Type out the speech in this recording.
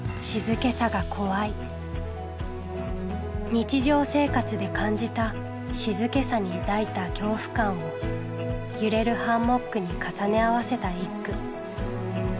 日常生活で感じた静けさに抱いた恐怖感を揺れるハンモックに重ね合わせた一句。